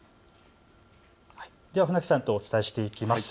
では船木さんとお伝えしていきます。